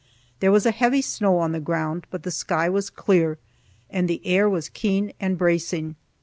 There was a heavy snow on the ground, but the sky was clear, and the air was keen and bracing.